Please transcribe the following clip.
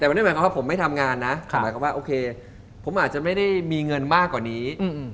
แต่ไม่ได้หมายความว่าผมไม่ทำงานนะหมายความว่าโอเคผมอาจจะไม่ได้มีเงินมากกว่านี้